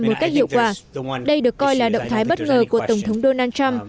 một cách hiệu quả đây được coi là động thái bất ngờ của tổng thống donald trump